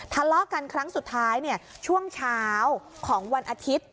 ทะเลาะกันครั้งสุดท้ายช่วงเช้าของวันอาทิตย์